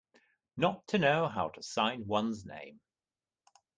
Not to know how to sign one's name.